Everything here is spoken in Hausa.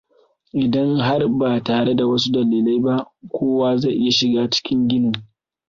Idan har ba tare da wasu dalilai ba, kowa zai iya shiga cikin ginin.